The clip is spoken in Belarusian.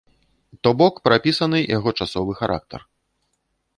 То бок, прапісаны яго часовы характар.